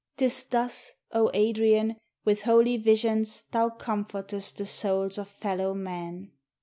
'Tis thus, O Adrian, with holy visions thou comfortest the souls of fellow men.